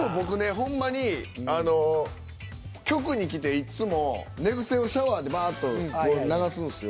ほんまに局に来ていっつも寝癖をシャワーでバッと流すんすよ。